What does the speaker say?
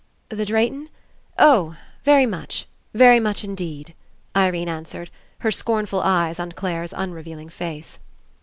"The Drayton? Oh, very much. Very much Indeed," Irene answered, her scornful eyes on Clare's unrevealing face.